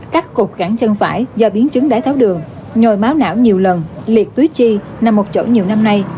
cắt cục gãn chân phải do biến chứng đái tháo đường nhồi máu não nhiều lần liệt túi chi nằm một chỗ nhiều năm nay